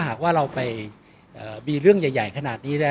ก็ต้องทำอย่างที่บอกว่าช่องคุณวิชากำลังทำอยู่นั่นนะครับ